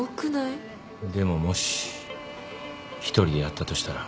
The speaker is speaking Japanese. でももし１人でやったとしたら。